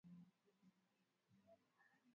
Nilikua mfungwa, nimewekwa huru,